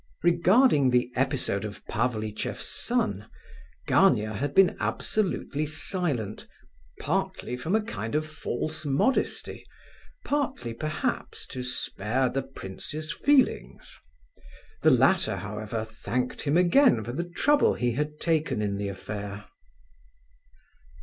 Regarding the episode of "Pavlicheff's son," Gania had been absolutely silent, partly from a kind of false modesty, partly, perhaps, to "spare the prince's feelings." The latter, however, thanked him again for the trouble he had taken in the affair.